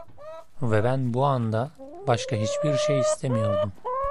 Ve ben bu anda başka hiçbir şey istemiyordum.